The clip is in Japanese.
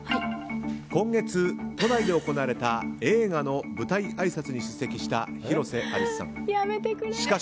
今月都内で行われた映画の舞台あいさつに出席した広瀬アリスさん。